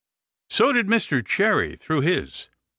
So did Mr Cherry through his.